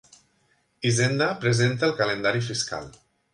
Hisenda presenta el calendari fiscal.